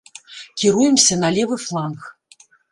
Кіруемся на левы фланг.